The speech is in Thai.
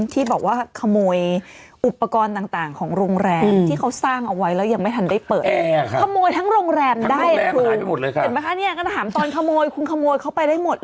ที่บอกว่าขโมยอุปกรณ์ต่างของโรงแรมที่เขาสร้างเอาไว้แล้วยังไม่ทันได้เปิด